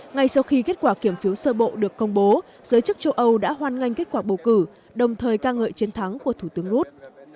ngay sau khi kết quả kiểm phiếu sơ bộ được công bố giới chức châu âu đã hoan nghênh kết quả bầu cử đồng thời ca ngợi chiến thắng của thủ tướng rút